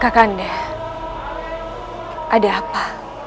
kakande ada apa